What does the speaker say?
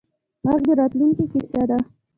غږ د راتلونکې کیسه ده